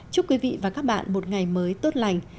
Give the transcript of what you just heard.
chúc quý vị và các bạn một ngày mới tốt lành